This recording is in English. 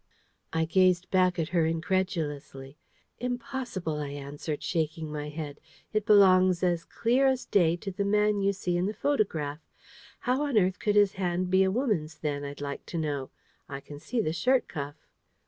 I gazed back at her incredulously. "Impossible," I answered, shaking my head. "It belongs as clear as day to the man you see in the photograph. How on earth could his hand be a woman's then, I'd like to know? I can see the shirt cuff."